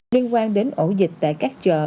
liên quan đến ổ dịch tại các chợ